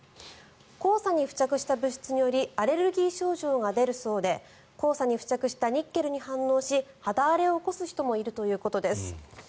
黄砂に付着した物質によりアレルギー症状が出るそうで黄砂に付着したニッケルに反応し肌荒れを起こす人もいるということです。